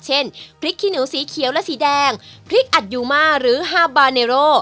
เช่นพริกขี้เหนียวสีเขียวและสีแดงพริกอัดยูมาหรือฮาบาเนโร